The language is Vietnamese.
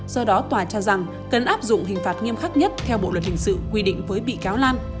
do đó tòa cho rằng cần áp dụng hình phạt nghiêm khắc nhất theo bộ luật hình sự quy định với bị cáo lan